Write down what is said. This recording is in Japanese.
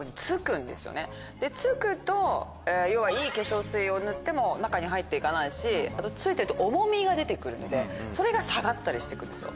付くといい化粧水を塗っても中に入って行かないし付いてると重みが出て来るのでそれが下がったりして行くんですよ。